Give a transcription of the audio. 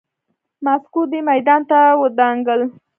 ماسکو دې میدان ته ودانګل.